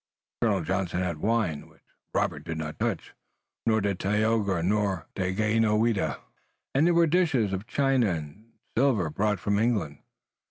Colonel Johnson had wine, which Robert did not touch, nor did Tayoga nor Daganoweda, and there were dishes of china or silver brought from England.